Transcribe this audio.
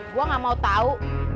gua nggak mau tau